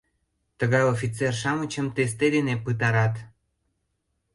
Тыгай офицер-шамычым тесте дене пытарат...